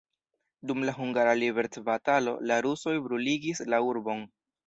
Dum la hungara liberecbatalo la rusoj bruligis la urbon.